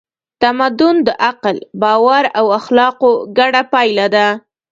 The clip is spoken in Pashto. تمدن د عقل، باور او اخلاقو ګډه پایله ده.